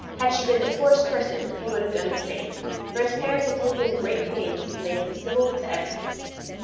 Had she been the poorest person he would have done the same, for his parents had taken great pains to make him civil to everyone.